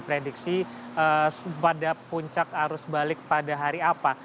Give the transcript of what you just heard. pada puncak harus balik pada hari apa